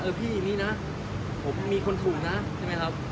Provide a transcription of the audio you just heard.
เออพี่นี่นะผมมีคนถูกนะใช่ไหมครับ